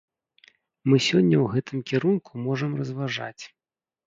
Мы сёння ў гэтым кірунку можам разважаць.